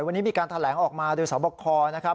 วันนี้มีการแถลงออกมาโดยสอบคอนะครับ